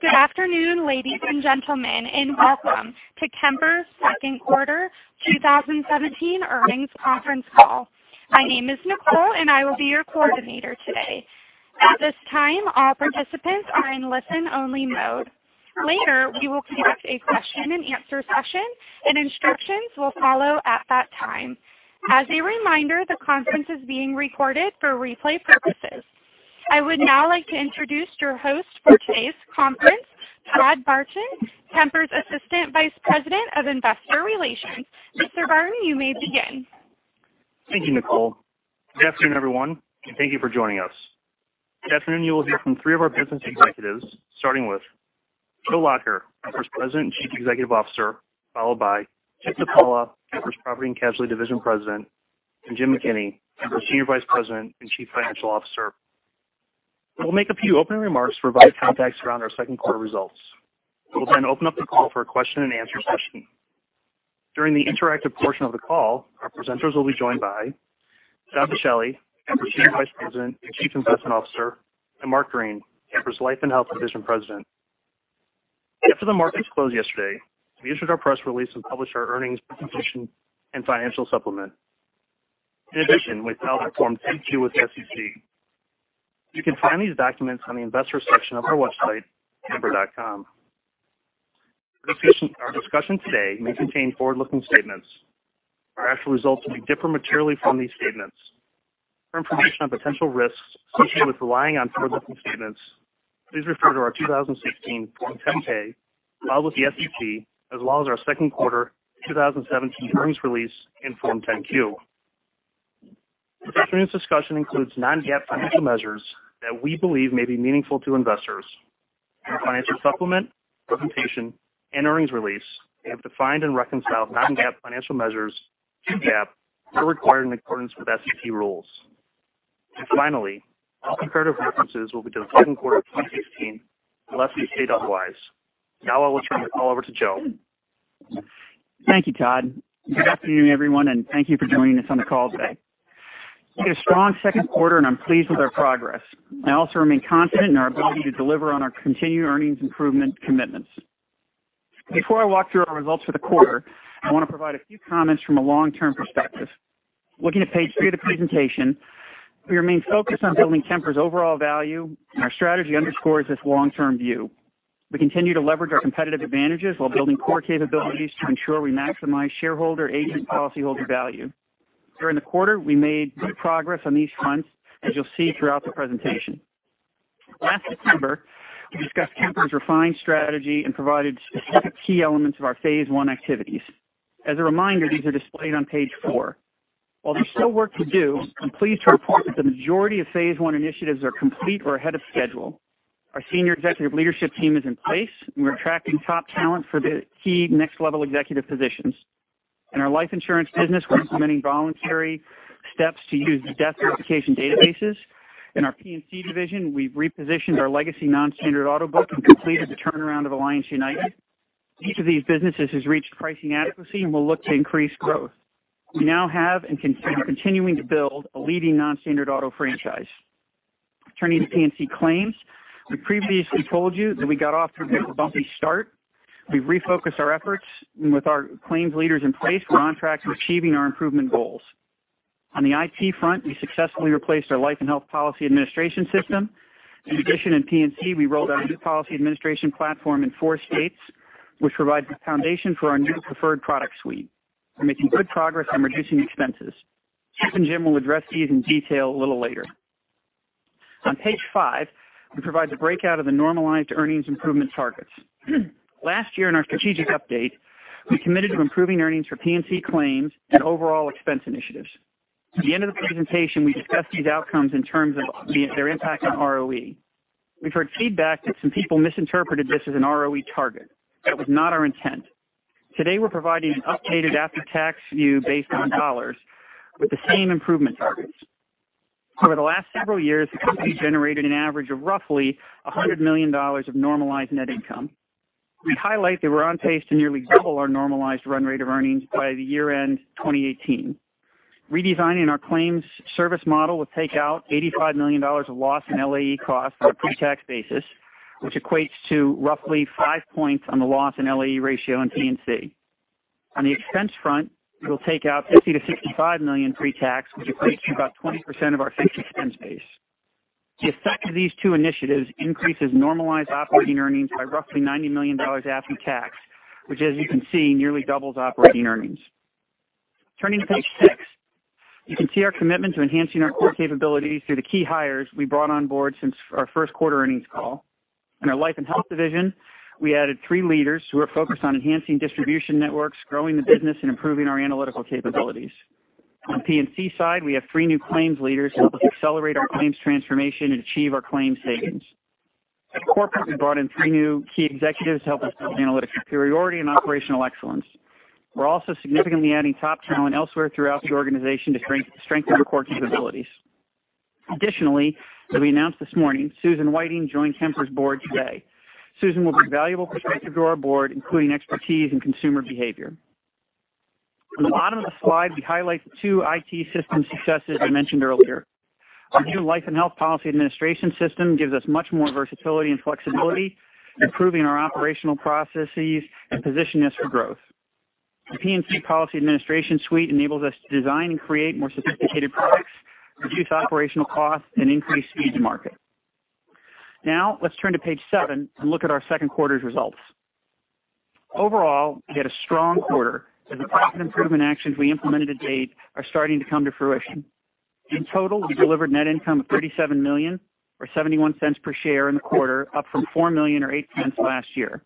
Good afternoon, ladies and gentlemen, and welcome to Kemper’s second quarter 2017 earnings conference call. My name is Nicole, and I will be your coordinator today. At this time, all participants are in listen-only mode. Later, we will conduct a question and answer session, and instructions will follow at that time. As a reminder, the conference is being recorded for replay purposes. I would now like to introduce your host for today’s conference, Todd Barchin, Kemper’s Assistant Vice President of Investor Relations. Mr. Barchin, you may begin. Thank you, Nicole. Good afternoon, everyone, and thank you for joining us. This afternoon, you will hear from three of our business executives, starting with Joe Lacher, Kemper’s President and Chief Executive Officer, followed by Chip DiPaola, Kemper’s Property and Casualty Division President, and Jim McKinney, Kemper’s Senior Vice President and Chief Financial Officer, who will make a few opening remarks, provide context around our second quarter results. We will then open up the call for a question and answer session. During the interactive portion of the call, our presenters will be joined by John Boschelli, Kemper’s Senior Vice President and Chief Investment Officer, and Mark Green, Kemper’s Life and Health Division President. After the markets closed yesterday, we issued our press release and published our earnings presentation and financial supplement. In addition, we have now performed 10-Q with the SEC. You can find these documents on the investor section of our website, kemper.com. Our discussion today may contain forward-looking statements. Our actual results may differ materially from these statements. For information on potential risks associated with relying on forward-looking statements, please refer to our 2016 Form 10-K filed with the SEC, as well as our second quarter 2017 earnings release and Form 10-Q. This afternoon’s discussion includes non-GAAP financial measures that we believe may be meaningful to investors. In our financial supplement, presentation, and earnings release, we have defined and reconciled non-GAAP financial measures to GAAP, where required in accordance with SEC rules. Finally, all comparative references will be to the second quarter of 2016, unless we state otherwise. Now I will turn the call over to Joe. Thank you, Todd. Good afternoon, everyone, and thank you for joining us on the call today. We had a strong second quarter, and I am pleased with our progress. I also remain confident in our ability to deliver on our continued earnings improvement commitments. Before I walk through our results for the quarter, I want to provide a few comments from a long-term perspective. Looking at page three of the presentation, we remain focused on building Kemper’s overall value, and our strategy underscores this long-term view. We continue to leverage our competitive advantages while building core capabilities to ensure we maximize shareholder, agent, policyholder value. During the quarter, we made good progress on these fronts, as you will see throughout the presentation. Last December, we discussed Kemper’s refined strategy and provided key elements of our phase one activities. As a reminder, these are displayed on page four. While there's still work to do, I'm pleased to report that the majority of phase 1 initiatives are complete or ahead of schedule. Our senior executive leadership team is in place, and we're attracting top talent for the key next-level executive positions. In our life insurance business, we're implementing voluntary steps to use the death certification databases. In our P&C division, we've repositioned our legacy non-standard auto book and completed the turnaround of Alliance United. Each of these businesses has reached pricing adequacy and will look to increase growth. We now have and are continuing to build a leading non-standard auto franchise. Turning to P&C claims, we previously told you that we got off to a bit of a bumpy start. We've refocused our efforts, and with our claims leaders in place, we're on track to achieving our improvement goals. On the IT front, we successfully replaced our life and health policy administration system. In addition, in P&C, we rolled out a new policy administration platform in four states, which provides the foundation for our new preferred product suite. We're making good progress on reducing expenses. Chip and Jim will address these in detail a little later. On page five, we provide the breakout of the normalized earnings improvement targets. Last year in our strategic update, we committed to improving earnings for P&C claims and overall expense initiatives. At the end of the presentation, we discussed these outcomes in terms of their impact on ROE. We've heard feedback that some people misinterpreted this as an ROE target. That was not our intent. Today, we're providing an updated after-tax view based on $ with the same improvement targets. Over the last several years, the company generated an average of roughly $100 million of normalized net income. We highlight that we're on pace to nearly double our normalized run rate of earnings by the year-end 2018. Redesigning our claims service model will take out $85 million of loss in LAE costs on a pre-tax basis, which equates to roughly five points on the loss and LAE ratio in P&C. On the expense front, it will take out $50 million-$65 million pre-tax, which equates to about 20% of our fixed expense base. The effect of these two initiatives increases normalized operating earnings by roughly $90 million after tax, which, as you can see, nearly doubles operating earnings. Turning to page six, you can see our commitment to enhancing our core capabilities through the key hires we brought on board since our first quarter earnings call. In our Life and Health division, we added three leaders who are focused on enhancing distribution networks, growing the business, and improving our analytical capabilities. On P&C side, we have three new claims leaders to help us accelerate our claims transformation and achieve our claims savings. At corporate, we brought in three new key executives to help us build analytics superiority and operational excellence. We're also significantly adding top talent elsewhere throughout the organization to strengthen our core capabilities. Additionally, as we announced this morning, Susan Whiting joined Kemper's board today. Susan will bring valuable perspective to our board, including expertise in consumer behavior. On the bottom of the slide, we highlight the two IT system successes I mentioned earlier. Our new life and health policy administration system gives us much more versatility and flexibility, improving our operational processes and positioning us for growth. The P&C policy administration suite enables us to design and create more sophisticated products, reduce operational costs, and increase speed to market. Now, let's turn to page seven and look at our second quarter results. Overall, we had a strong quarter as the profit improvement actions we implemented to date are starting to come to fruition. In total, we delivered net income of $37 million or $0.71 per share in the quarter, up from $4 million or $0.08 last year.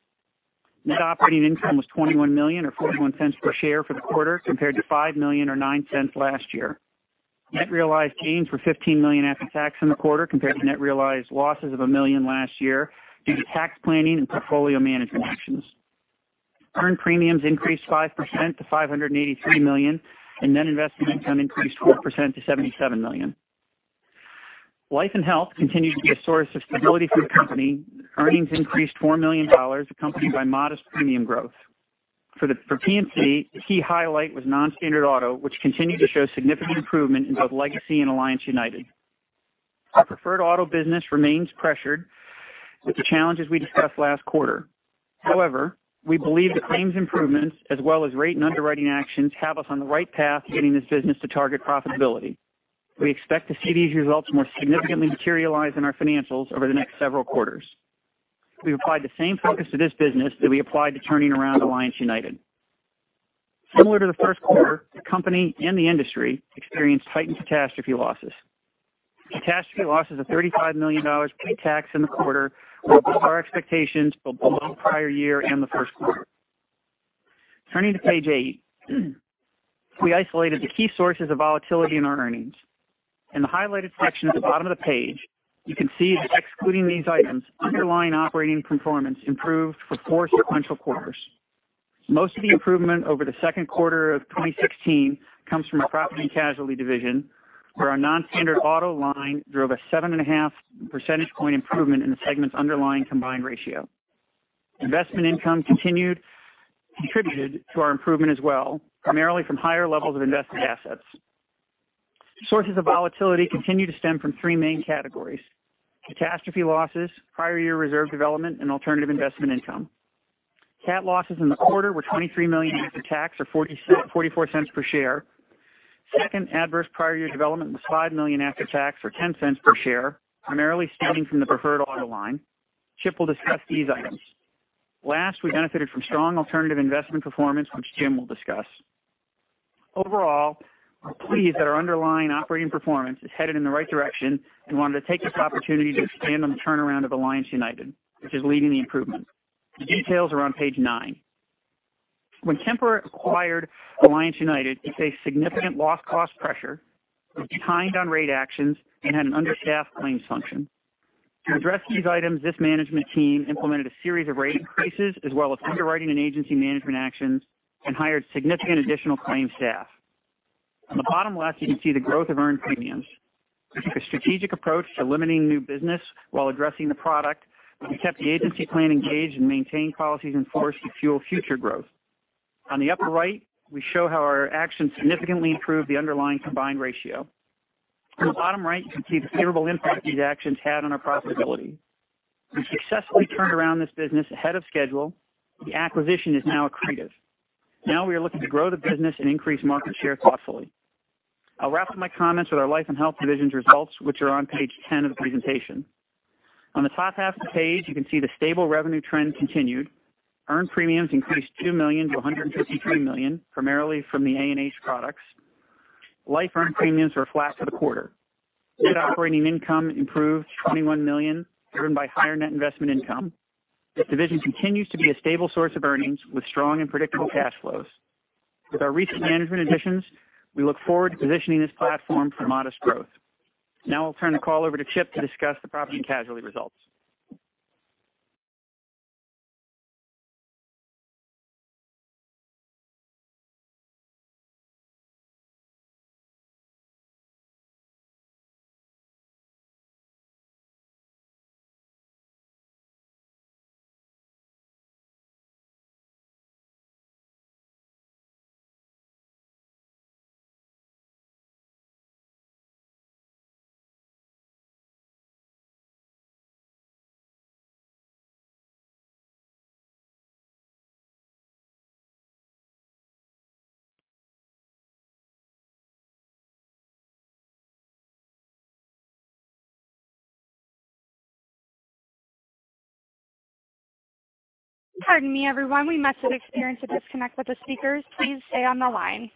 Net operating income was $21 million or $0.41 per share for the quarter, compared to $5 million or $0.09 last year. Net realized gains were $15 million after tax in the quarter compared to net realized losses of $1 million last year due to tax planning and portfolio management actions. Earned premiums increased 5% to $583 million, and net investment income increased 4% to $77 million. Life and health continued to be a source of stability for the company. Earnings increased $4 million, accompanied by modest premium growth. For P&C, the key highlight was non-standard auto, which continued to show significant improvement in both Legacy and Alliance United. Our preferred auto business remains pressured with the challenges we discussed last quarter. However, we believe the claims improvements as well as rate and underwriting actions have us on the right path to getting this business to target profitability. We expect to see these results more significantly materialize in our financials over the next several quarters. We've applied the same focus to this business that we applied to turning around Alliance United. Similar to the first quarter, the company and the industry experienced heightened catastrophe losses. Catastrophe losses of $35 million pre-tax in the quarter were above our expectations for both the prior year and the first quarter. Turning to page eight, we isolated the key sources of volatility in our earnings. In the highlighted section at the bottom of the page, you can see that excluding these items, underlying operating performance improved for four sequential quarters. Most of the improvement over the second quarter of 2016 comes from the property and casualty division, where our non-standard auto line drove a 7.5 percentage point improvement in the segment's underlying combined ratio. Investment income contributed to our improvement as well, primarily from higher levels of invested assets. Sources of volatility continue to stem from three main categories: catastrophe losses, prior year reserve development, and alternative investment income. Cat losses in the quarter were $23 million after tax or $0.44 per share. Second, adverse prior year development was $5 million after tax or $0.10 per share, primarily stemming from the preferred auto line. Chip will discuss these items. Last, we benefited from strong alternative investment performance, which Jim will discuss. Overall, we're pleased that our underlying operating performance is headed in the right direction and wanted to take this opportunity to expand on the turnaround of Alliance United, which is leading the improvement. The details are on page nine. When Kemper acquired Alliance United, it faced significant loss cost pressure, was behind on rate actions, and had an understaffed claims function. To address these items, this management team implemented a series of rate increases as well as underwriting and agency management actions and hired significant additional claims staff. On the bottom left, you can see the growth of earned premiums. We took a strategic approach to limiting new business while addressing the product, but we kept the agency plan engaged and maintained policies in force to fuel future growth. On the upper right, we show how our actions significantly improved the underlying combined ratio. In the bottom right, you can see the favorable impact these actions had on our profitability. We successfully turned around this business ahead of schedule. The acquisition is now accretive. Now we are looking to grow the business and increase market share thoughtfully. I'll wrap up my comments with our life and health division's results, which are on page 10 of the presentation. On the top half of the page, you can see the stable revenue trend continued. Earned premiums increased $2 million to $153 million, primarily from the A&H products. Life earned premiums are flat for the quarter. Net operating income improved to $21 million, driven by higher net investment income. This division continues to be a stable source of earnings, with strong and predictable cash flows. With our recent management additions, we look forward to positioning this platform for modest growth. Now I'll turn the call over to Chip to discuss the property and casualty results. Pardon me, everyone. We must have experienced a disconnect with the speakers. Please stay on the line.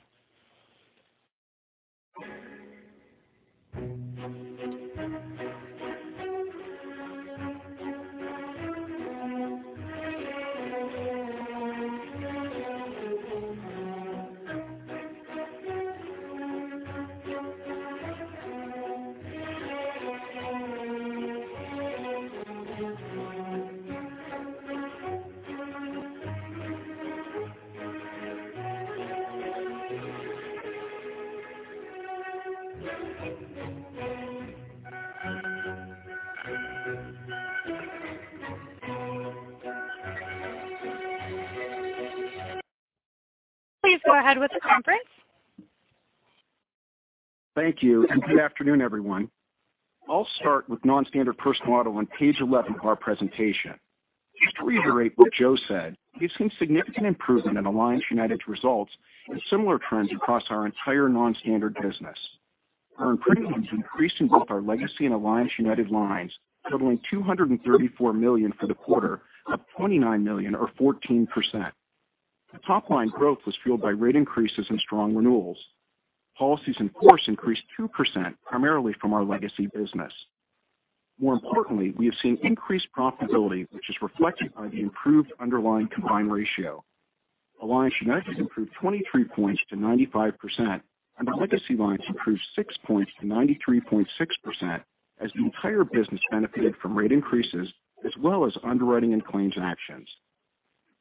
Please go ahead with the conference. Thank you, good afternoon, everyone. I'll start with non-standard personal auto on page 11 of our presentation. Just to reiterate what Joe said, we've seen significant improvement in Alliance United's results and similar trends across our entire non-standard business. Our earned premiums increased in both our legacy and Alliance United lines, totaling $234 million for the quarter, up $29 million or 14%. The top-line growth was fueled by rate increases and strong renewals. Policies in force increased 2%, primarily from our legacy business. More importantly, we have seen increased profitability, which is reflected by the improved underlying combined ratio. Alliance United improved 23 points to 95%, and the legacy lines improved 6 points to 93.6% as the entire business benefited from rate increases as well as underwriting and claims actions.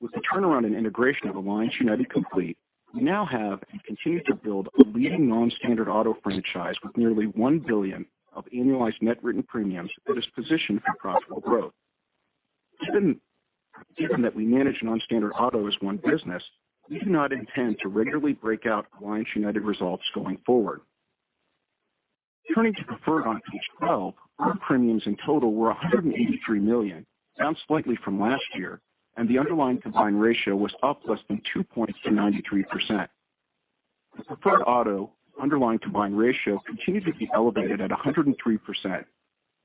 With the turnaround and integration of Alliance United complete, we now have and continue to build a leading non-standard auto franchise with nearly $1 billion of annualized net written premiums that is positioned for profitable growth. Given that we manage non-standard auto as one business, we do not intend to regularly break out Alliance United results going forward. Turning to preferred on page 12, earned premiums in total were $183 million, down slightly from last year, and the underlying combined ratio was up less than 2 points to 93%. The preferred auto underlying combined ratio continues to be elevated at 103%.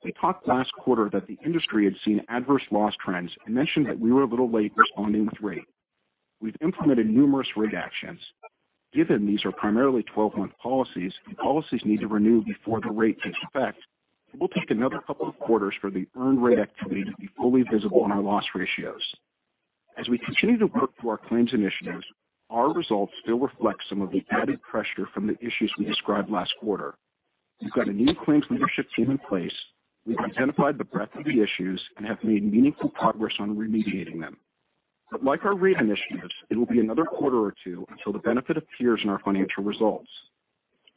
We talked last quarter that the industry had seen adverse loss trends and mentioned that we were a little late responding with rate. We've implemented numerous rate actions. Given these are primarily 12-month policies, and policies need to renew before the rate takes effect, it will take another couple of quarters for the earned rate activity to be fully visible on our loss ratios. As we continue to work through our claims initiatives, our results still reflect some of the added pressure from the issues we described last quarter. We've got a new claims leadership team in place. We've identified the breadth of the issues and have made meaningful progress on remediating them. Like our rate initiatives, it'll be another quarter or two until the benefit appears in our financial results.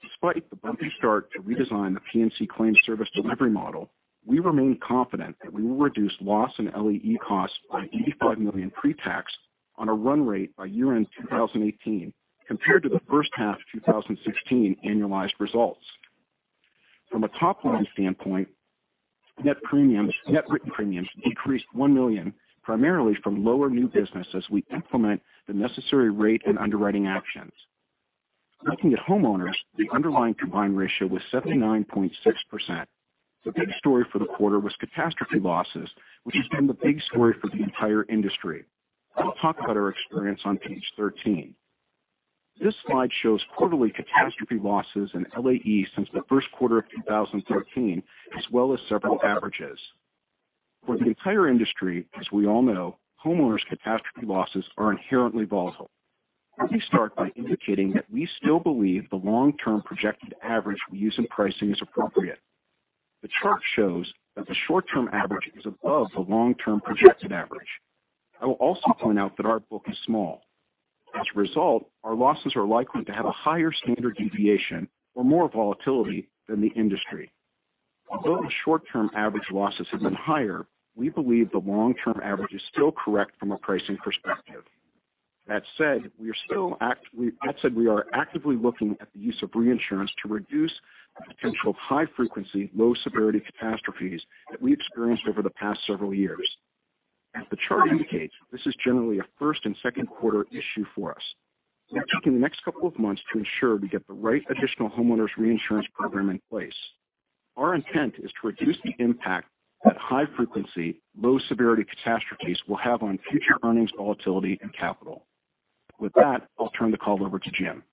Despite the bumpy start to redesign the P&C claims service delivery model, we remain confident that we will reduce loss in LAE costs by $85 million pre-tax on a run rate by year-end 2018 compared to the first half 2016 annualized results. From a top-line standpoint, net written premiums increased $1 million, primarily from lower new business as we implement the necessary rate and underwriting actions. Looking at homeowners, the underlying combined ratio was 79.6%. The big story for the quarter was catastrophe losses, which has been the big story for the entire industry. I'll talk about our experience on page 13. This slide shows quarterly catastrophe losses in LAE since the first quarter of 2013, as well as several averages. For the entire industry, as we all know, homeowners catastrophe losses are inherently volatile. Let me start by indicating that we still believe the long-term projected average we use in pricing is appropriate. The chart shows that the short-term average is above the long-term projected average. I will also point out that our book is small. As a result, our losses are likely to have a higher standard deviation or more volatility than the industry. Although the short-term average losses have been higher, we believe the long-term average is still correct from a pricing perspective. That said, we are actively looking at the use of reinsurance to reduce the potential of high frequency, low severity catastrophes that we experienced over the past several years. As the chart indicates, this is generally a first and second quarter issue for us. We are taking the next couple of months to ensure we get the right additional homeowners reinsurance program in place. Our intent is to reduce the impact that high frequency, low severity catastrophes will have on future earnings volatility and capital. With that, I'll turn the call over to Jim.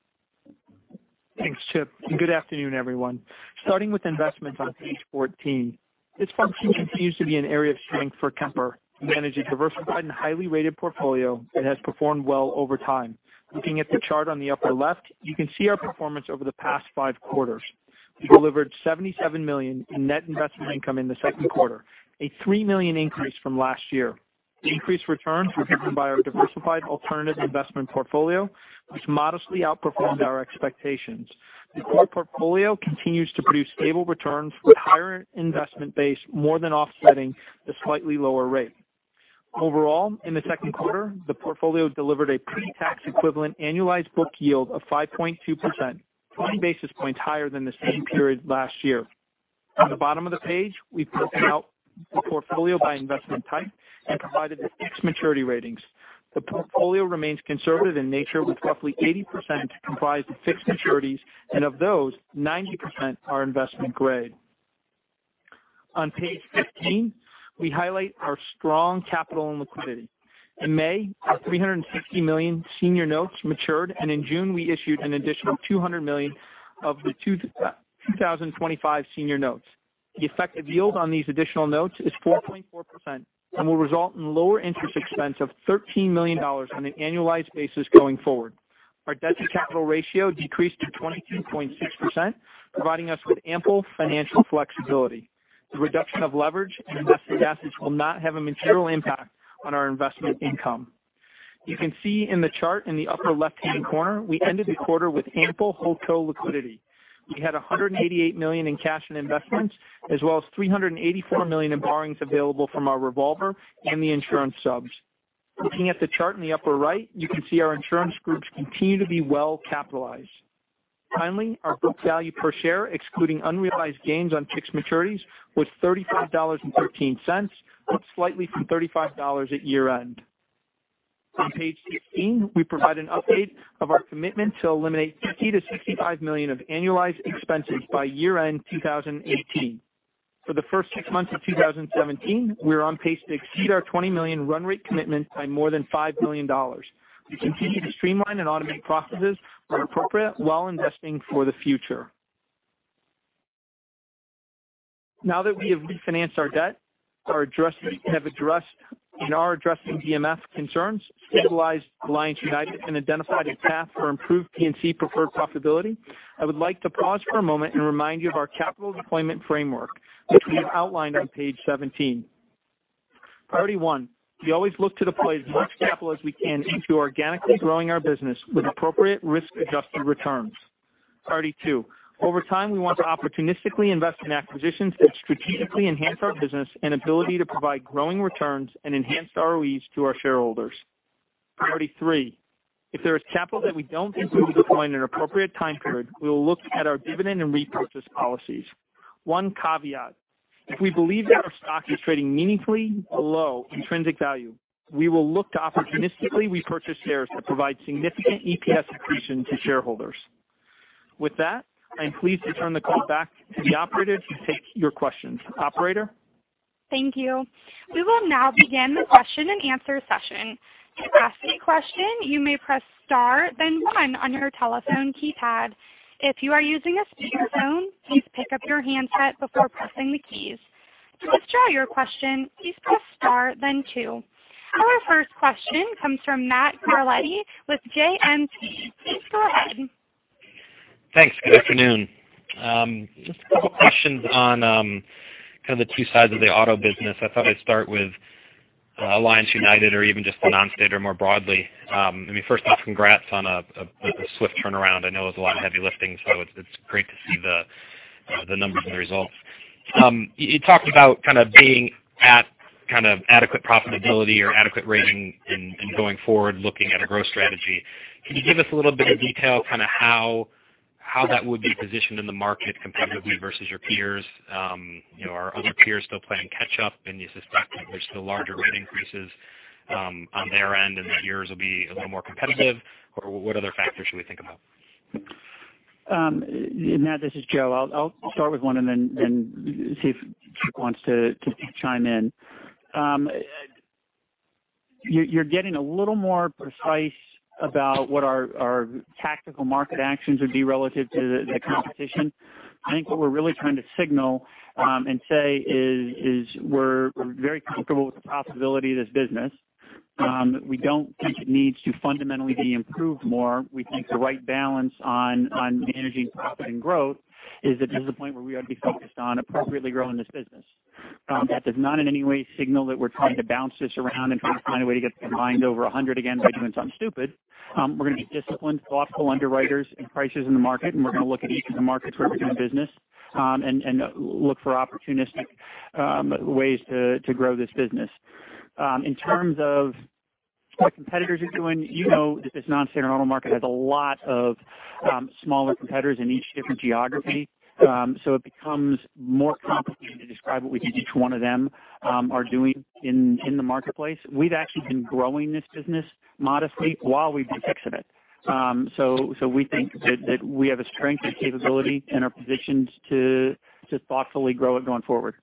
Thanks, Chip. Good afternoon, everyone. Starting with investments on page 14, this function continues to be an area of strength for Kemper. We manage a diversified and highly rated portfolio and has performed well over time. Looking at the chart on the upper left, you can see our performance over the past five quarters. We delivered $77 million in net investment income in the second quarter, a $3 million increase from last year. The increased returns were driven by our diversified alternative investment portfolio, which modestly outperformed our expectations. The core portfolio continues to produce stable returns with higher investment base more than offsetting the slightly lower rate. Overall, in the second quarter, the portfolio delivered a pre-tax equivalent annualized book yield of 5.2%, 20 basis points higher than the same period last year. On the bottom of the page, we've broken out the portfolio by investment type and provided the fixed maturity ratings. The portfolio remains conservative in nature, with roughly 80% comprised of fixed maturities, and of those, 90% are investment grade. On page 15, we highlight our strong capital and liquidity. In May, our $360 million senior notes matured. In June, we issued an additional $200 million of the 2025 senior notes. The effective yield on these additional notes is 4.4% and will result in lower interest expense of $13 million on an annualized basis going forward. Our debt-to-capital ratio decreased to 22.6%, providing us with ample financial flexibility. The reduction of leverage in invested assets will not have a material impact on our investment income. You can see in the chart in the upper left-hand corner, we ended the quarter with ample holdco liquidity. We had $188 million in cash and investments, as well as $384 million in borrowings available from our revolver and the insurance subs. Looking at the chart in the upper right, you can see our insurance groups continue to be well-capitalized. Finally, our book value per share, excluding unrealized gains on fixed maturities, was $35.13, up slightly from $35 at year-end. On page 16, we provide an update of our commitment to eliminate $50 million-$65 million of annualized expenses by year-end 2018. For the first six months of 2017, we're on pace to exceed our $20 million run rate commitment by more than $5 million. We continue to streamline and automate processes where appropriate while investing for the future. Now that we have refinanced our debt, have addressed and are addressing DMF concerns, stabilized Alliance United, and identified a path for improved P&C preferred profitability, I would like to pause for a moment and remind you of our capital deployment framework, which we have outlined on page 17. Priority 1, we always look to deploy as much capital as we can into organically growing our business with appropriate risk-adjusted returns. Priority 2, over time, we want to opportunistically invest in acquisitions that strategically enhance our business and ability to provide growing returns and enhanced ROEs to our shareholders. Priority 3, if there is capital that we don't think we can deploy in an appropriate time period, we will look at our dividend and repurchase policies. One caveat, if we believe that our stock is trading meaningfully below intrinsic value, we will look to opportunistically repurchase shares that provide significant EPS accretion to shareholders. With that, I am pleased to turn the call back to the operator to take your questions. Operator? Thank you. We will now begin the question and answer session. To ask a question, you may press star then one on your telephone keypad. If you are using a speakerphone, please pick up your handset before pressing the keys. To withdraw your question, please press star then two. Our first question comes from Matt Carletti with JMP. Please go ahead. Thanks. Good afternoon. Just a couple questions on kind of the two sides of the auto business. I thought I'd start with Alliance United or even just the non-standard more broadly. Let me first say congrats on a swift turnaround. I know it was a lot of heavy lifting, so it's great to see the numbers and the results. You talked about being at adequate profitability or adequate rating and going forward looking at a growth strategy. Can you give us a little bit of detail how that would be positioned in the market competitively versus your peers? Are other peers still playing catch-up and do you suspect that there's still larger rate increases on their end, and that yours will be a little more competitive, or what other factors should we think about? Matt, this is Joe. I'll start with one and then see if Chip wants to chime in. You're getting a little more precise about what our tactical market actions would be relative to the competition. I think what we're really trying to signal and say is we're very comfortable with the profitability of this business. We don't think it needs to fundamentally be improved more. We think the right balance on managing profit and growth is that this is a point where we ought to be focused on appropriately growing this business. That does not in any way signal that we're trying to bounce this around and trying to find a way to get the combined over 100 again by doing something stupid. We're going to be disciplined, thoughtful underwriters in prices in the market. We're going to look at each of the markets where we're doing business and look for opportunistic ways to grow this business. In terms of what competitors are doing, you know that this non-standard auto market has a lot of smaller competitors in each different geography. It becomes more complicated to describe what we think each one of them are doing in the marketplace. We've actually been growing this business modestly while we've been fixing it. We think that we have a strength and capability and are positioned to thoughtfully grow it going forward.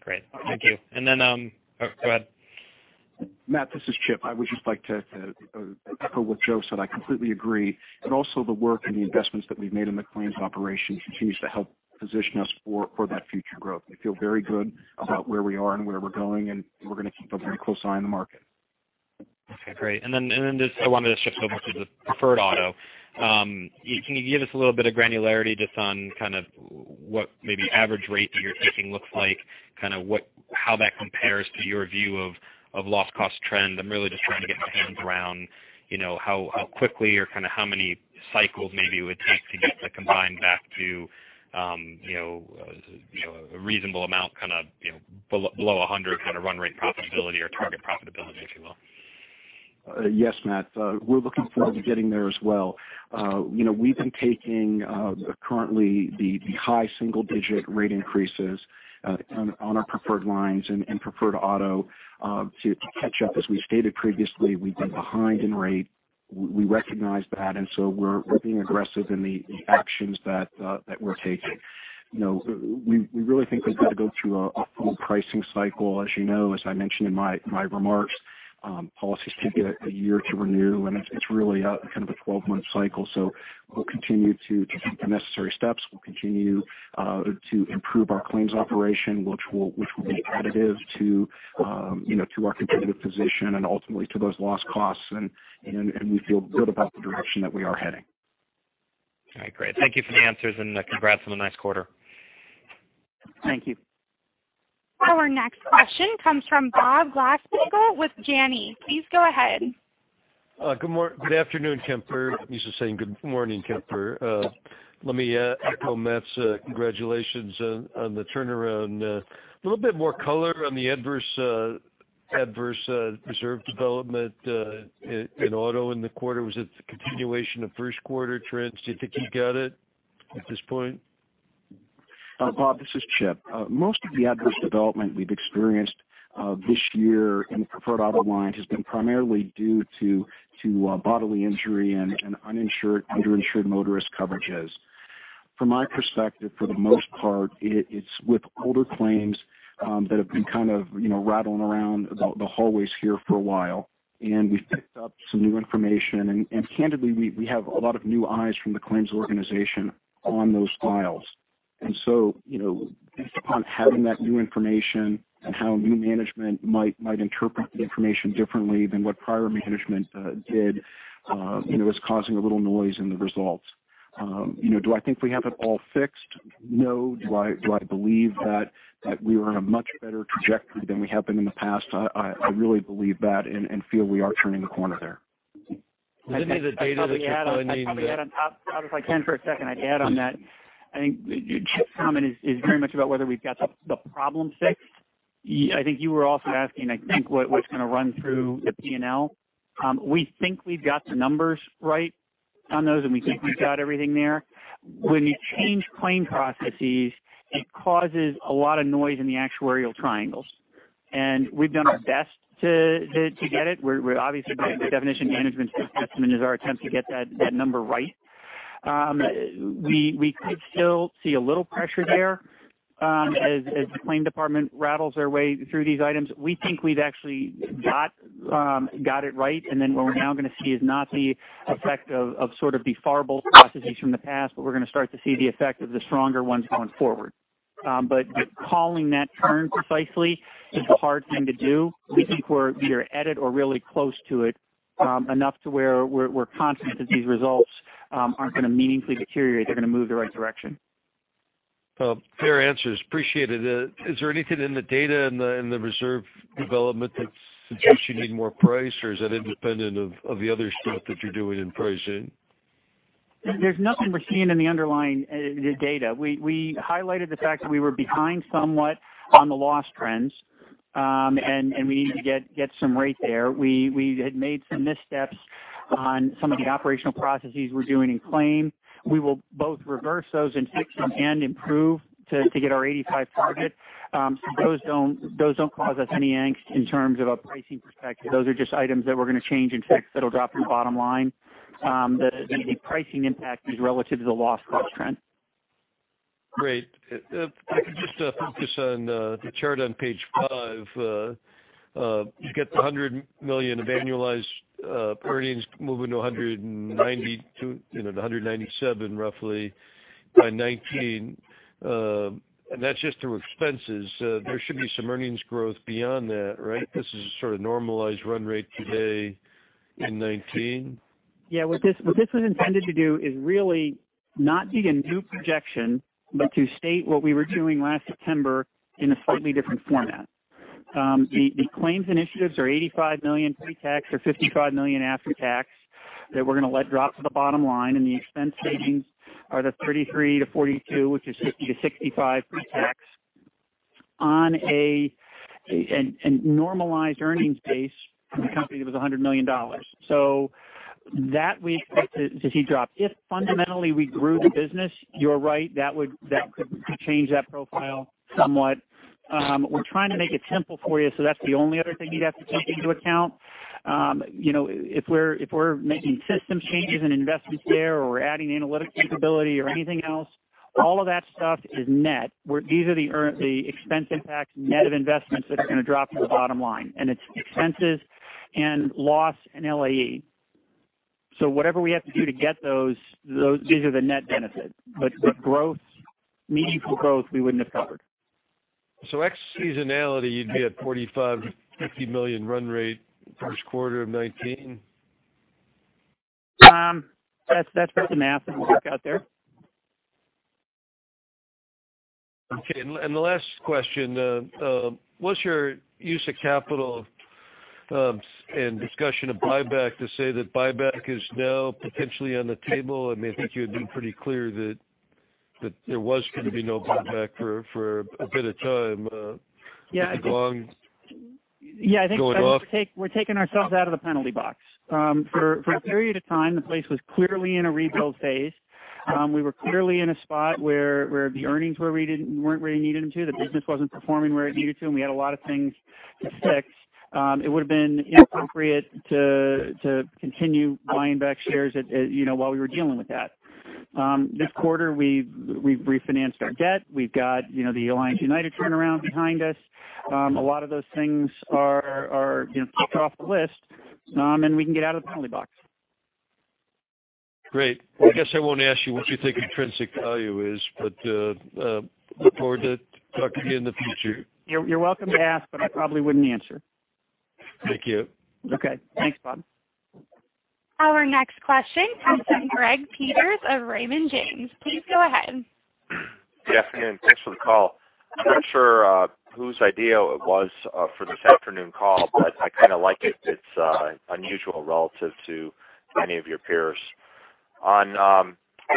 Great. Thank you. Oh, go ahead. Matt, this is Chip. I would just like to echo what Joe said. I completely agree. Also the work and the investments that we've made in the claims operation continues to help position us for that future growth. We feel very good about where we are and where we're going. We're going to keep a very close eye on the market. Okay, great. Just I wanted to shift over to the preferred auto. Can you give us a little bit of granularity just on what maybe average rate that you're taking looks like, how that compares to your view of loss cost trend? I'm really just trying to get my hands around how quickly or how many cycles maybe it would take to get the combined back to a reasonable amount below 100 run rate profitability or target profitability, if you will. Yes, Matt. We're looking forward to getting there as well. We've been taking currently the high single-digit rate increases on our preferred lines and preferred auto to catch up. As we stated previously, we've been behind in rate. We recognize that. We're being aggressive in the actions that we're taking. We really think we've got to go through a full pricing cycle, as you know. As I mentioned in my remarks, policies take a year to renew. It's really a kind of a 12-month cycle. We'll continue to take the necessary steps. We'll continue to improve our claims operation, which will be additive to our competitive position and ultimately to those loss costs. We feel good about the direction that we are heading. All right. Great. Thank you for the answers and congrats on a nice quarter. Thank you. Our next question comes from Bob Glasspiegel with Janney. Please go ahead. Good afternoon, Kemper. I'm used to saying good morning, Kemper. Let me echo Matt Carletti's congratulations on the turnaround. A little bit more color on the adverse reserve development in auto in the quarter. Was it the continuation of first quarter trends? Do you think you got it at this point? Bob Glasspiegel, this is Chip. Most of the adverse development we've experienced this year in the preferred auto lines has been primarily due to bodily injury and uninsured, underinsured motorist coverages. From my perspective, for the most part, it's with older claims that have been rattling around the hallways here for a while, and we've picked up some new information, candidly, we have a lot of new eyes from the claims organization on those files. So, based upon having that new information and how new management might interpret the information differently than what prior management did, it was causing a little noise in the results. Do I think we have it all fixed? No. Do I believe that we are on a much better trajectory than we have been in the past? I really believe that and feel we are turning a corner there. Is any of the data that you're pulling If I can for a second, I'd add on that, I think Chip's comment is very much about whether we've got the problem fixed. I think you were also asking, I think, what's going to run through the P&L. We think we've got the numbers right on those, and we think we've got everything there. When you change claim processes, it causes a lot of noise in the actuarial triangles. We've done our best to get it. We're obviously doing deficiency management assessment as our attempt to get that number right. We could still see a little pressure there as the claim department rattles their way through these items. We think we've actually got it right. Then what we're now going to see is not the effect of the favorable processes from the past, but we're going to start to see the effect of the stronger ones going forward. Calling that turn precisely is the hard thing to do. We think we're either at it or really close to it, enough to where we're confident that these results aren't going to meaningfully deteriorate. They're going to move the right direction. Fair answers. Appreciate it. Is there anything in the data in the reserve development that suggests you need more price, or is that independent of the other stuff that you're doing in pricing? There's nothing we're seeing in the underlying data. We highlighted the fact that we were behind somewhat on the loss trends, and we need to get some rate there. We had made some missteps on some of the operational processes we're doing in claim. We will both reverse those and fix them and improve to get our 85 target. Those don't cause us any angst in terms of a pricing perspective. Those are just items that we're going to change and fix that'll drop to the bottom line. The pricing impact is relative to the loss cost trend. Great. If I could just focus on the chart on page five. You've got the $100 million of annualized earnings moving to $197 roughly by 2019. That's just through expenses. There should be some earnings growth beyond that, right? This is a sort of normalized run rate today in 2019. What this was intended to do is really not be a new projection, but to state what we were doing last September in a slightly different format. The claims initiatives are $85 million pre-tax or $55 million after tax that we're going to let drop to the bottom line, and the expense savings are the $33 million-$42 million, which is $50 million-$65 million pre-tax. On a normalized earnings base for the company, it was $100 million. That we expect to see drop. If fundamentally we grew the business, you're right, that could change that profile somewhat. We're trying to make it simple for you, that's the only other thing you'd have to take into account. If we're making system changes and investments there, or we're adding analytic capability or anything else, all of that stuff is net. These are the expense impacts net of investments that are going to drop to the bottom line, and it's expenses and loss and LAE. Whatever we have to do to get those, these are the net benefits. Growth, meaningful growth, we wouldn't have covered. Ex-seasonality, you'd be at $45 million-$50 million run rate first quarter of 2019? That's about the math that we've got there. Okay, the last question. What's your use of capital and discussion of buyback to say that buyback is now potentially on the table? I think you had been pretty clear that there was going to be no buyback for a bit of time. Yeah. With the bonds going up. I think we're taking ourselves out of the penalty box. For a period of time, the place was clearly in a rebuild phase. We were clearly in a spot where the earnings weren't where we needed them to, the business wasn't performing where it needed to, and we had a lot of things to fix. It would have been inappropriate to continue buying back shares while we were dealing with that. This quarter, we've refinanced our debt. We've got the Alliance United turnaround behind us. A lot of those things are kicked off the list. We can get out of the penalty box. Great. I guess I won't ask you what you think intrinsic value is, but look forward to talking to you in the future. You're welcome to ask, but I probably wouldn't answer. Thank you. Okay. Thanks, Bob. Our next question comes from Gregory Peters of Raymond James. Please go ahead. Good afternoon. Thanks for the call. I'm not sure whose idea it was for this afternoon call, but I kind of like it. It's unusual relative to many of your peers. I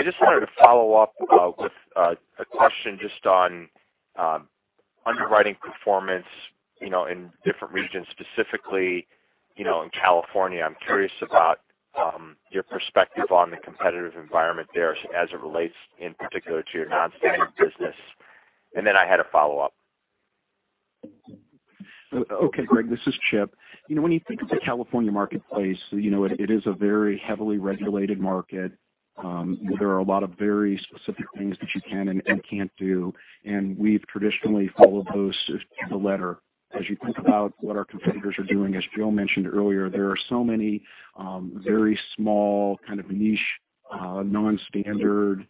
just wanted to follow up with a question just on underwriting performance in different regions, specifically in California. I'm curious about your perspective on the competitive environment there as it relates, in particular, to your non-standard business. I had a follow-up. Okay, Greg, this is Chip. When you think of the California marketplace, it is a very heavily regulated market. There are a lot of very specific things that you can and can't do, and we've traditionally followed those to the letter. As you think about what our competitors are doing, as Joe mentioned earlier, there are so many very small niche non-standard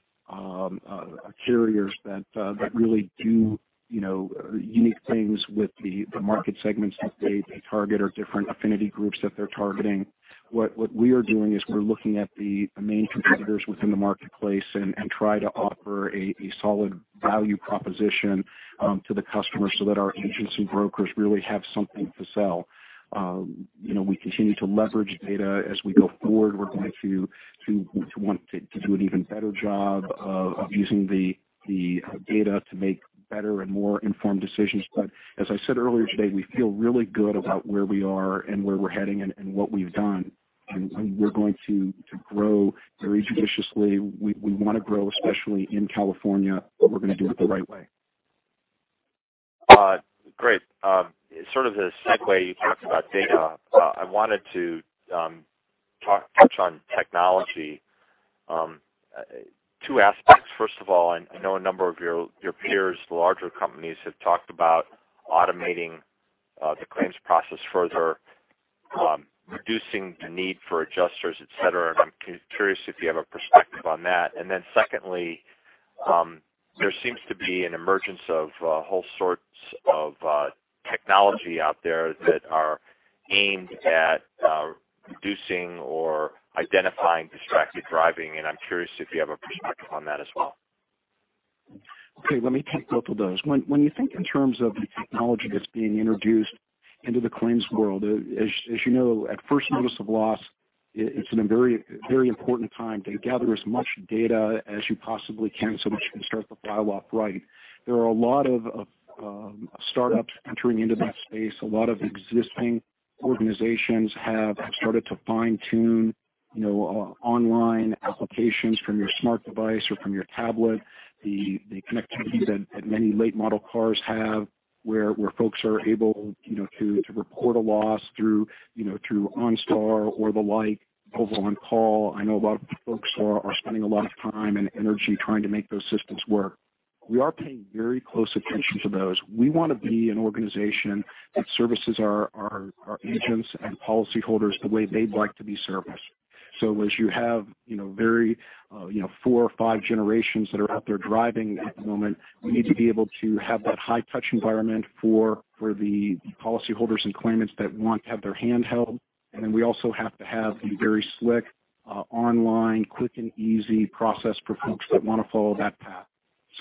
carriers that really do unique things with the market segments that they target or different affinity groups that they're targeting. What we are doing is we're looking at the main competitors within the marketplace and try to offer a solid value proposition to the customer so that our agents and brokers really have something to sell. We continue to leverage data as we go forward. We're going to want to do an even better job of using the data to make better and more informed decisions. As I said earlier today, we feel really good about where we are and where we're heading and what we've done. We're going to grow very judiciously. We want to grow, especially in California, but we're going to do it the right way. Great. Sort of a segue, you talked about data. I wanted to touch on technology. Two aspects. First of all, I know a number of your peers, the larger companies, have talked about automating the claims process further, reducing the need for adjusters, et cetera, and I'm curious if you have a perspective on that. Secondly, there seems to be an emergence of whole sorts of technology out there that are aimed at reducing or identifying distracted driving, and I'm curious if you have a perspective on that as well. Let me take both of those. When you think in terms of the technology that's being introduced into the claims world, as you know, at first notice of loss, it's a very important time to gather as much data as you possibly can so that you can start the file off right. There are a lot of startups entering into that space. A lot of existing organizations have started to fine-tune online applications from your smart device or from your tablet, the connectivity that many late-model cars have where folks are able to report a loss through OnStar or the like, mobile on-call. I know a lot of folks are spending a lot of time and energy trying to make those systems work. We are paying very close attention to those. We want to be an organization that services our agents and policyholders the way they'd like to be serviced. As you have four or five generations that are out there driving at the moment, we need to be able to have that high-touch environment for the policyholders and claimants that want to have their hand held. We also have to have the very slick, online, quick and easy process for folks that want to follow that path.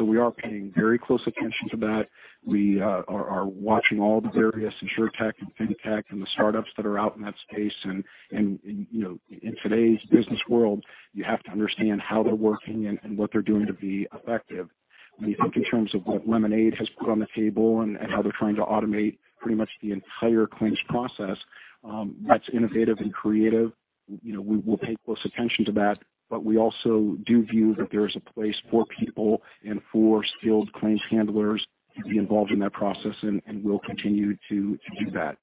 We are paying very close attention to that. We are watching all the various insurtech and fintech and the startups that are out in that space. In today's business world, you have to understand how they're working and what they're doing to be effective. When you think in terms of what Lemonade has put on the table and how they're trying to automate pretty much the entire claims process, that's innovative and creative. We'll pay close attention to that, but we also do view that there is a place for people and for skilled claims handlers to be involved in that process, and we'll continue to do that.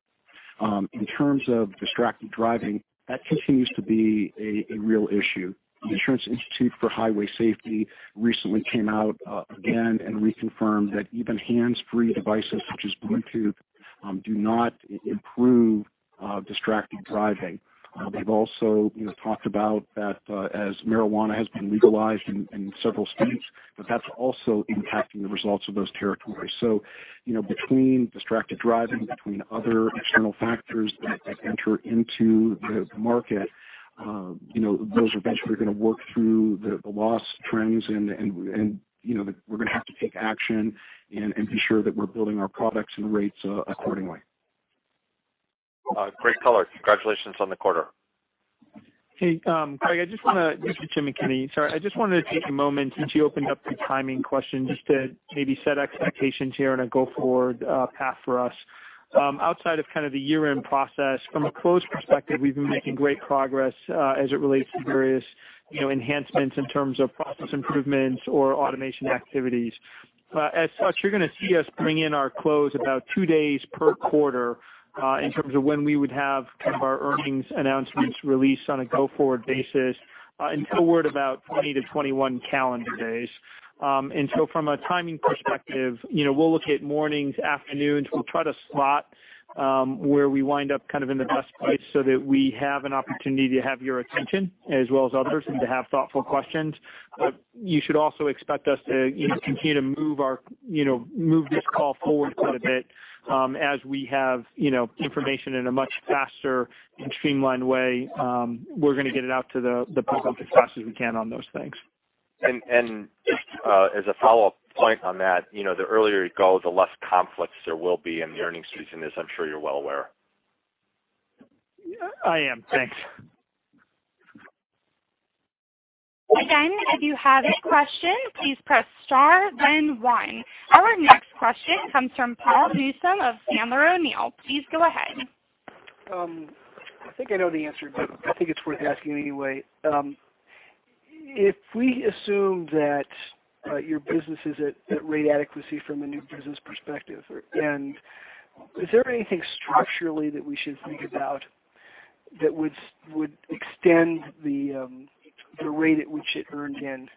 In terms of distracted driving, that continues to be a real issue. The Insurance Institute for Highway Safety recently came out again and reconfirmed that even hands-free devices such as Bluetooth do not improve distracted driving. They've also talked about that as marijuana has been legalized in several states, that's also impacting the results of those territories. Between distracted driving, between other external factors that enter into the market, those eventually are going to work through the loss trends, and we're going to have to take action and be sure that we're building our products and rates accordingly. Great color. Congratulations on the quarter. Hey, Greg, this is Jim McKinney. Sorry, I just wanted to take a moment since you opened up the timing question just to maybe set expectations here on a go-forward path for us. Outside of kind of the year-end process, from a close perspective, we've been making great progress as it relates to various enhancements in terms of process improvements or automation activities. As such, you're going to see us bring in our close about two days per quarter in terms of when we would have our earnings announcements released on a go-forward basis, forward about 20-21 calendar days. From a timing perspective, we'll look at mornings, afternoons. We'll try to slot where we wind up in the best place so that we have an opportunity to have your attention as well as others and to have thoughtful questions. You should also expect us to continue to move this call forward quite a bit as we have information in a much faster and streamlined way. We're going to get it out to the public as fast as we can on those things. Just as a follow-up point on that, the earlier you go, the less conflicts there will be in the earnings season, as I'm sure you're well aware. I am. Thanks. If you have a question, please press star one. Our next question comes from Paul Newsome of Sandler O'Neill. Please go ahead. I think I know the answer, I think it's worth asking anyway. If we assume that your business is at rate adequacy from a new business perspective, is there anything structurally that we should think about that would extend the rate at which it earned in?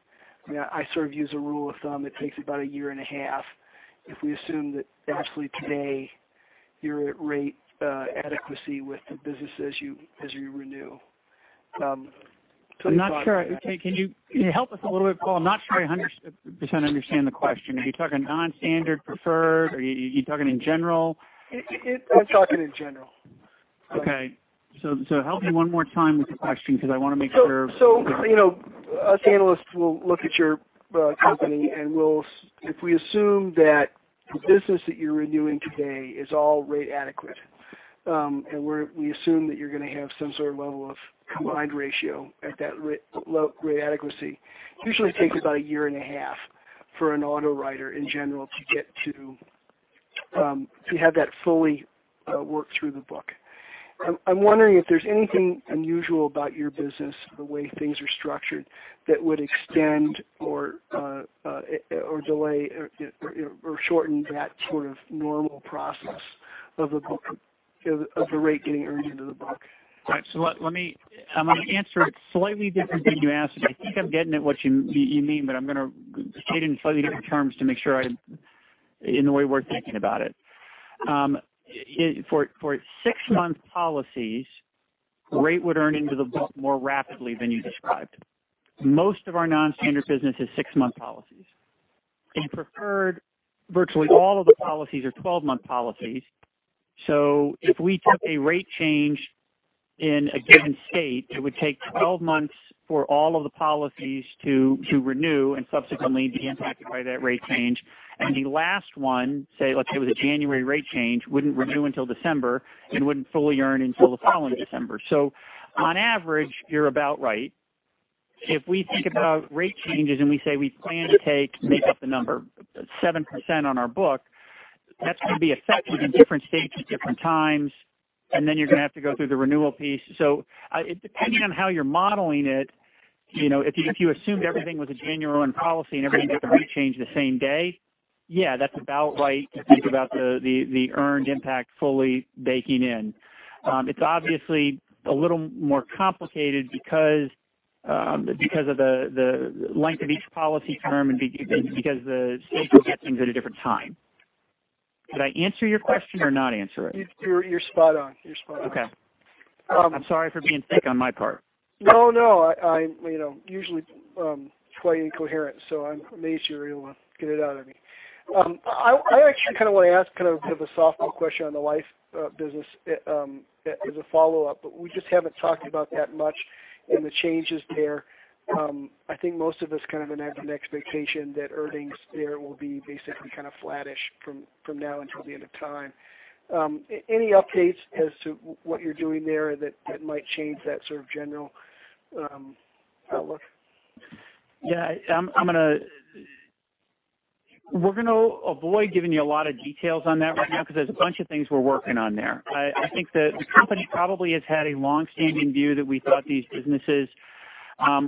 I sort of use a rule of thumb, it takes about a year and a half. If we assume that actually today you're at rate adequacy with the business as you renew. I'm not sure. Can you help us a little bit, Paul? I'm not sure I 100% understand the question. Are you talking non-standard preferred? Are you talking in general? I'm talking in general. Okay. Help me one more time with the question because I want to make sure. Analysts will look at your company, and if we assume that the business that you're renewing today is all rate adequate, and we assume that you're going to have some sort of level of combined ratio at that low rate adequacy, usually takes about a year and a half for an auto writer in general to have that fully work through the book. I'm wondering if there's anything unusual about your business or the way things are structured that would extend or delay or shorten that sort of normal process of the rate getting earned into the book. Right. I'm going to answer it slightly different than you asked it. I think I'm getting at what you mean, but I'm going to state it in slightly different terms to make sure I'm in the way we're thinking about it. For six-month policies, rate would earn into the book more rapidly than you described. Most of our non-standard business is six-month policies. In preferred, virtually all of the policies are 12-month policies. If we took a rate change in a given state, it would take 12 months for all of the policies to renew and subsequently be impacted by that rate change. The last one, say, let's say it was a January rate change, wouldn't renew until December and wouldn't fully earn until the following December. On average, you're about right. If we think about rate changes, we say we plan to take, make up the number, 7% on our book, that's going to be effective in different states at different times, and then you're going to have to go through the renewal piece. Depending on how you're modeling it, if you assumed everything was a January 1 policy and everything had the rate change the same day, yeah, that's about right to think about the earned impact fully baking in. It's obviously a little more complicated because of the length of each policy term and because the states will get things at a different time. Did I answer your question or not answer it? You're spot on. Okay. I'm sorry for being thick on my part. No. Usually it's quite incoherent, I'm amazed you were able to get it out of me. I actually want to ask kind of a softball question on the life business as a follow-up. We just haven't talked about that much and the changes there. I think most of us have an expectation that earnings there will be basically flat-ish from now until the end of time. Any updates as to what you're doing there that might change that sort of general outlook? Yeah. We're going to avoid giving you a lot of details on that right now because there's a bunch of things we're working on there. I think that the company probably has had a longstanding view that we thought these businesses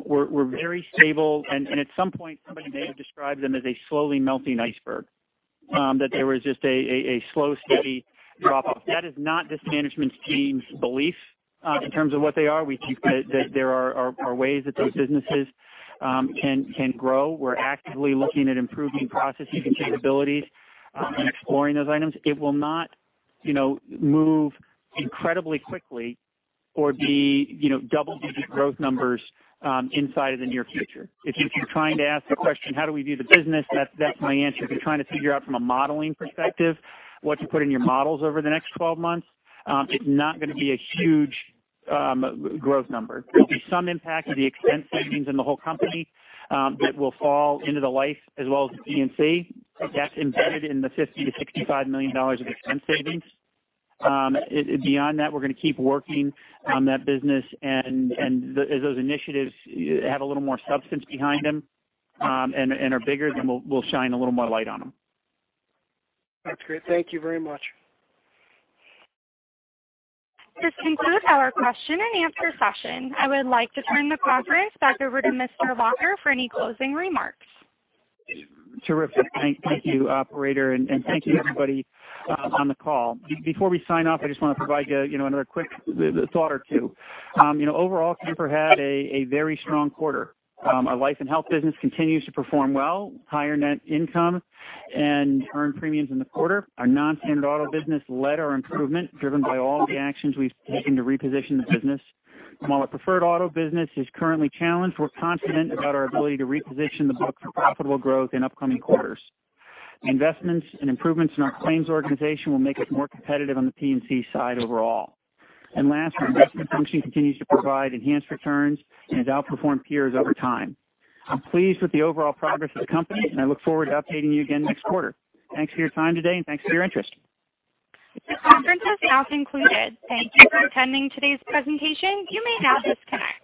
were very stable, and at some point, somebody may have described them as a slowly melting iceberg. That there was just a slow, steady drop-off. That is not this management team's belief in terms of what they are. We think that there are ways that those businesses can grow. We're actively looking at improving processes and capabilities and exploring those items. It will not move incredibly quickly or be double-digit growth numbers inside of the near future. If you're trying to ask the question, how do we view the business, that's my answer. If you're trying to figure out from a modeling perspective, what to put in your models over the next 12 months, it's not going to be a huge growth number. There'll be some impact of the expense savings in the whole company that will fall into the life as well as the P&C. That's embedded in the $50 million-$65 million of expense savings. Beyond that, we're going to keep working on that business, and as those initiatives have a little more substance behind them and are bigger, then we'll shine a little more light on them. That's great. Thank you very much. This concludes our question and answer session. I would like to turn the conference back over to Mr. Lacher for any closing remarks. Terrific. Thank you, operator, and thank you, everybody on the call. Before we sign off, I just want to provide you another quick thought or two. Overall, Kemper had a very strong quarter. Our life and health business continues to perform well, higher net income and earned premiums in the quarter. Our non-standard auto business led our improvement, driven by all the actions we've taken to reposition the business. While our preferred auto business is currently challenged, we're confident about our ability to reposition the book for profitable growth in upcoming quarters. Investments and improvements in our claims organization will make us more competitive on the P&C side overall. Last, our investment function continues to provide enhanced returns and has outperformed peers over time. I'm pleased with the overall progress of the company, and I look forward to updating you again next quarter. Thanks for your time today, and thanks for your interest. The conference is now concluded. Thank you for attending today's presentation. You may now disconnect.